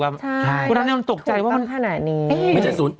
ไม่ได้ถูกตั้งเท่านั้นนี